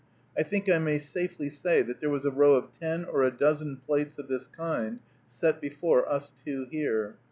I think I may safely say that there was a row of ten or a dozen plates of this kind set before us two here.